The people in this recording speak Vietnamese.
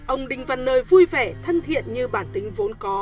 ông đinh văn nơi vui vẻ thân thiện như bản tính vốn có